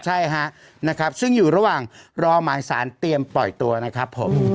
ใช่ฮะนะครับซึ่งอยู่ระหว่างรอหมายสารเตรียมปล่อยตัวนะครับผม